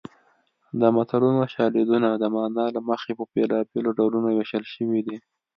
د متلونو شالیدونه د مانا له مخې په بېلابېلو ډولونو ویشل شوي دي